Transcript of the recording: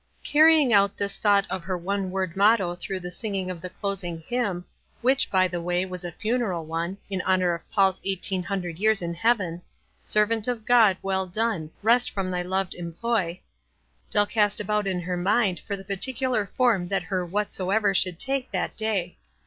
Carrying out this thought of her one word motto through the singing of the closing hvran, which, by the way, was a funeral one, in honor of Paul's eighteen hundred years in heaven —" Servant of God, well done, Rest from thy loved employ," Dell cast about in her mind for the particular form that her "Whatsoever" should take that day.